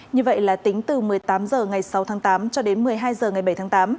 như vậy là tính từ một mươi tám h ngày sáu tháng tám cho đến một mươi hai h ngày bảy tháng tám